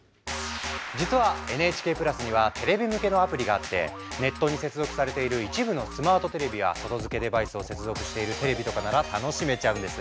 実はＮＨＫプラスにはテレビ向けのアプリがあってネットに接続されている一部のスマートテレビや外付けデバイスを接続しているテレビとかなら楽しめちゃうんです。